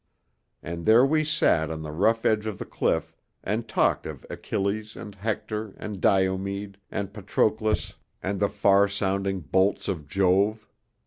And there we sat on the rough edge of the cliff and talked of Achilles and Hector and Diomed and Patroclus and the far sounding bolts of Jove.